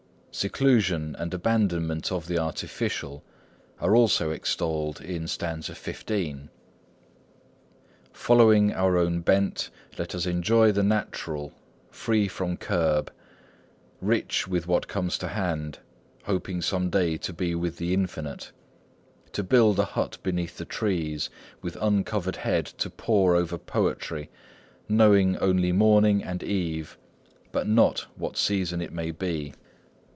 Seclusion and abandonment of the artificial are also extolled in stanza xv:— "Following our own bent, Let us enjoy the Natural, free from curb, Rich with what comes to hand, Hoping some day to be with the Infinite. To build a hut beneath the pines, With uncovered head to pore over poetry, Knowing only morning and eve, But not what season it may be